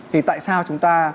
thì tại sao chúng ta